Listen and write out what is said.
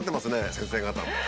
先生方も。